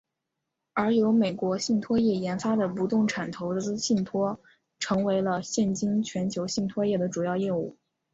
而由美国信托业研发的不动产投资信托成为了现今全球信托业的主要业务。